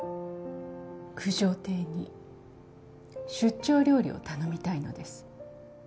九条邸に出張料理を頼みたいのです